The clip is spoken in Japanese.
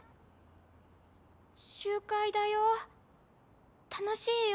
集会だよ楽しいよ。